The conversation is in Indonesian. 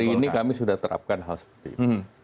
hari ini kami sudah terapkan hal seperti itu